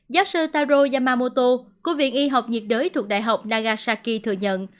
giáo sư taro yamamoto của viện y học nhiệt đới thuộc đại học nagasaki thừa nhận